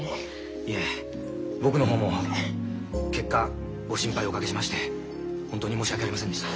いえ僕の方も結果ご心配をおかけしまして本当に申し訳ありませんでした。